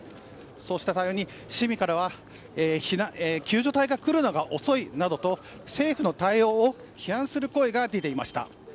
そうした対応に市民からは救助隊が来るのが遅いなどと政府の対応を批判する声が出ていました。